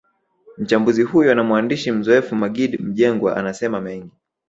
Mchambuzi huyo na mwandishi mzoefu Maggid Mjengwa anasema mengi